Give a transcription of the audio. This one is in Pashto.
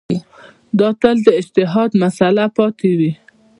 دا تل د اجتهاد مسأله پاتې وي.